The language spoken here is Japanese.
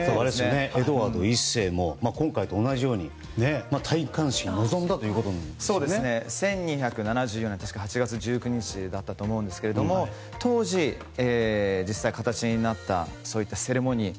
エドワード１世も今回と同じように１２７４年の８月１９日だったと思うんですが当時、実際に形になったそういったセレモニー